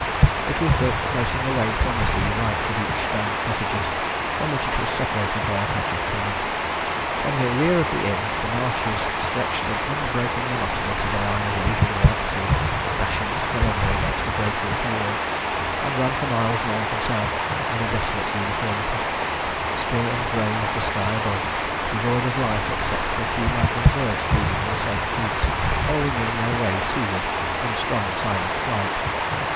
It was built facing away from the sea like the beach stone cottages, from which it was separated by a patch of common. From the rear of the inn the marshes stretched in unbroken monotony to the line of leaping white sea dashing sullenly against the breakwater wall, and ran for miles north and south in a desolate uniformity, still and grey as the sky above, devoid of life except for a few migrant birds feeding in the salt creeks or winging their way seaward in strong, silent flight.